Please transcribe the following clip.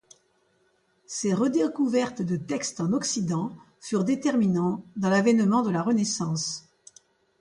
Ces redécouvertes de textes en Occident furent déterminantes dans l'avènement de la Renaissance.